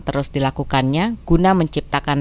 terus dilakukannya guna menciptakan